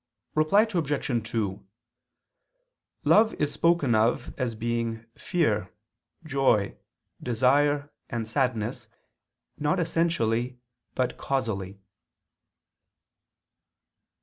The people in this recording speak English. Reply Obj. 2: Love is spoken of as being fear, joy, desire and sadness, not essentially but causally.